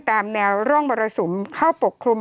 โทษทีน้องโทษทีน้อง